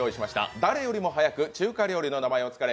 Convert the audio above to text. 誰よりも速く中華料理の名前を作れ！